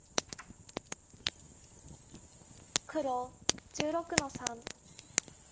黒１６の三。